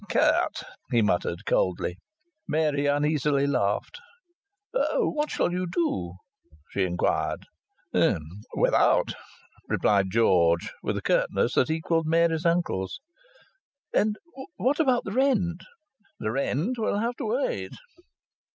"Curt!" he muttered coldly. Mary uneasily laughed. "What shall you do?" she inquired. "Without!" replied George, with a curtness that equalled Mary's uncle's. "And what about the rent?" "The rent will have to wait."